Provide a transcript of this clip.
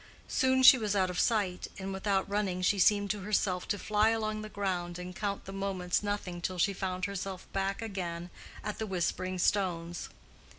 Soon she was out of sight, and without running she seemed to herself to fly along the ground and count the moments nothing till she found herself back again at the Whispering Stones.